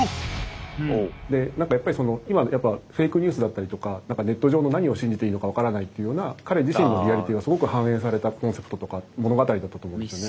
で何かやっぱり今ってやっぱフェークニュースだったりとかネット上の何を信じていいのか分からないっていうような彼自身のリアリティーはすごく反映されたコンセプトとか物語だったと思うんですよね。